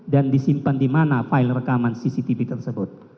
disimpan di mana file rekaman cctv tersebut